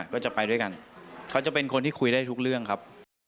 ก็จะไปด้วยกันเขาจะเป็นคนที่คุยได้ทุกเรื่องครับ